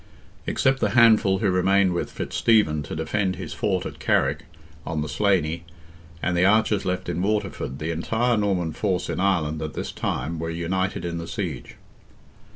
Except the handful who remained with Fitzstephen to defend his fort at Carrick, on the Slaney, and the archers left in Waterford, the entire Norman force in Ireland, at this time, were united in the siege.